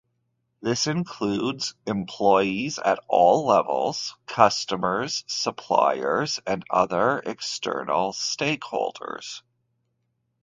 This includes employees at all levels, customers, suppliers, and other external stakeholders.